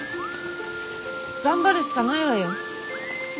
頑張るしかないわよ。